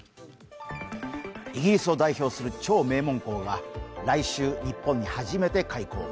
イギリスを代表する超名門校が来週、日本に初めて開校。